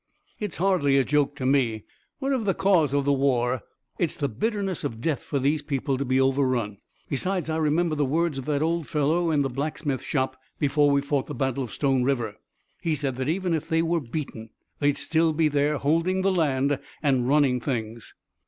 "It's hardly a joke to me. Whatever the cause of the war, it's the bitterness of death for these people to be overrun. Besides, I remember the words of that old fellow in the blacksmith shop before we fought the battle of Stone River. He said that even if they were beaten they'd still be there holding the land and running things."